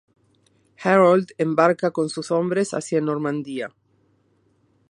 Harold embarca con sus hombres hacia Normandía.